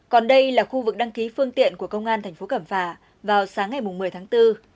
còn đây là khu vực đăng ký phương tiện của công an thành phố cẩm phả vào sáng ngày một mươi tháng bốn